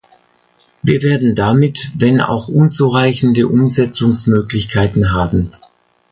Wir werden damit wenn auch unzureichende Umsetzungsmöglichkeiten haben.